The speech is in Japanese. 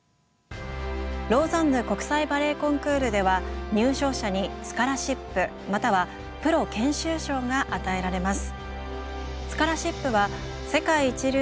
ローザンヌ国際バレエコンクールでは入賞者に「スカラシップ」または「プロ研修賞」が与えられます。